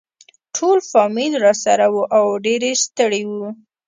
ټول فامیل راسره وو او ډېر ستړي وو.